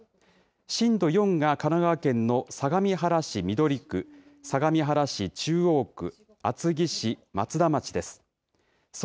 震度４が神奈川県の相模原市みどり区、相模原市中央区、あつぎ市まつだ町です。